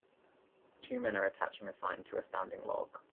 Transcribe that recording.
Two men are attaching a sign to a standing log.